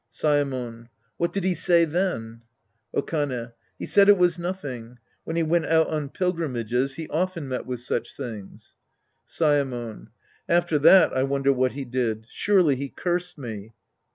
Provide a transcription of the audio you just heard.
Saemon. What did he say then ? Okane. He said it was nothing ; when he went out on pilgrimages, he often met with such things. Saemon. After that I wonder what he did. Surely he cursed me.